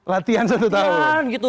latihan satu tahun gitu